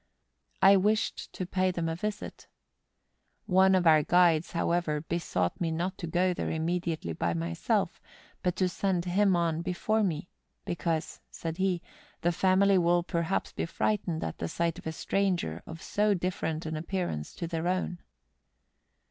I wished to pay them a visit. One of our guides, however, besought me not to go there immediately by myself, but to send him on before me, because, said he, the family will per¬ haps be frightened at the sight of a stranger of so ditferent an appearance to their own.